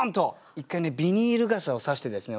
一回ねビニール傘を差してですね